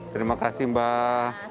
terima kasih mbak